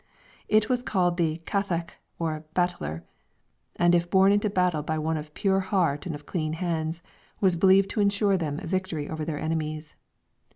It was called the "Cathach" or "Battler," and if borne into battle by "one of pure heart and of clean hands" was believed to ensure them the victory over their enemies.